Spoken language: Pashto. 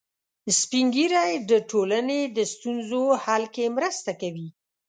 سپین ږیری د ټولنې د ستونزو حل کې مرسته کوي